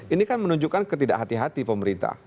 ini kan menunjukkan ketidakhatian hati pemerintah